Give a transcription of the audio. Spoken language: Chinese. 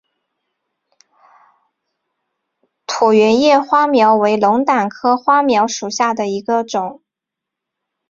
椭圆叶花锚为龙胆科花锚属下的一个种。